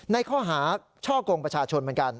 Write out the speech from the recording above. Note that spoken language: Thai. ในข้อหาช่อกงประชาชนเหมือนกัน